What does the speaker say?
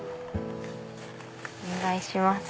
お願いします。